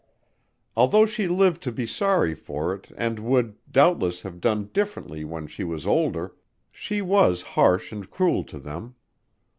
Although she lived to be sorry for it and would, doubtless, have done differently when she was older, she was harsh and cruel to them.